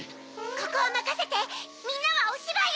ここはまかせてみんなはおしばいを！